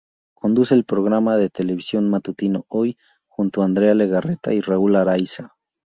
Conduce el programa de televisión matutino "Hoy" junto con Andrea Legarreta y Raúl Araiza.